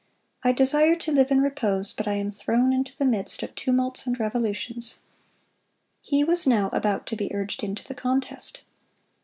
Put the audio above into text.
I desire to live in repose; but I am thrown into the midst of tumults and revolutions."(167) He was now about to be urged into the contest.